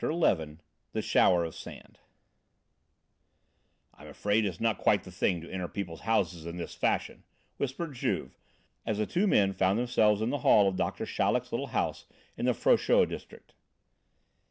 XI THE SHOWER OF SAND "I'm afraid it's not quite the thing to enter people's houses in this fashion," whispered Juve, as the two men found themselves in the hall of Doctor Chaleck's little house in the Frochot district.